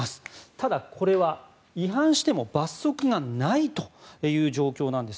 ただ、これは違反しても罰則がないという状況なんです。